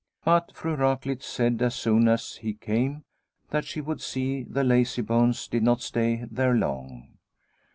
But Fru Raklitz said as soon as he came that she would see the lazy bones did not stay there long.